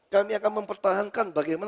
kami akan mempertahankan bagian